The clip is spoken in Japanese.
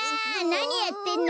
なにやってんの？